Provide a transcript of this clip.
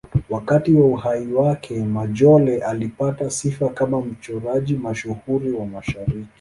Wakati wa uhai wake, Majolle alipata sifa kama mchoraji mashuhuri wa Mashariki.